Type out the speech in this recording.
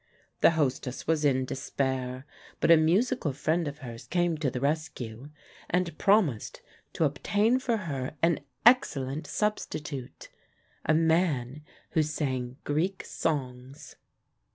The hostess was in despair, but a musical friend of hers came to the rescue, and promised to obtain for her an excellent substitute, a man who sang Greek songs.